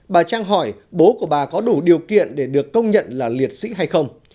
bà trang hỏi bố của bà có đủ điều kiện để được công nhận là liệt sĩ hay không